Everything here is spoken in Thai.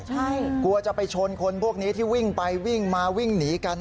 ใช่กลัวจะไปชนคนพวกนี้ที่วิ่งไปวิ่งมาวิ่งหนีกัน